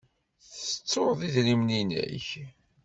Tettuḍ idrimen-nnek?